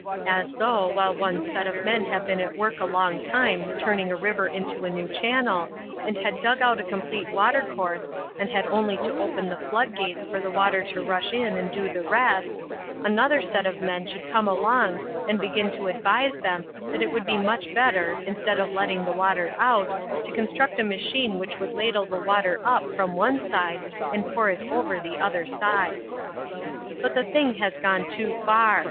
As though, while one set of men have been at work a long while turning a river into a new channel, and had dug out a complete water course and had only to open the floodgates for the water to rush in and do the rest, another set of men should come along and begin to advise them that it would be much better, instead of letting the water out, to construct a machine which would ladle the water up from one side and pour it over the other side. But the thing has gone too far.